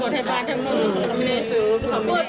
ซีให้จะ